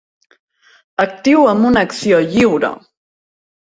Actiu amb una acció lliure.